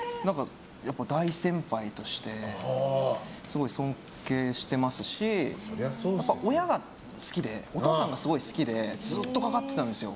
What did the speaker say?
大先輩としてすごい尊敬していますし親が好きでお父さんがすごい好きでずっとかかってたんですよ